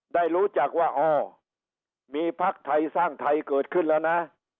ได้รู้จักว่าอ๋อมีพักไทยสร้างไทยเกิดขึ้นแล้วนะ